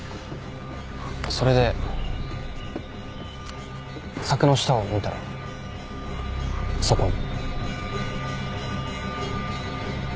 それで柵の下を見たらそこに。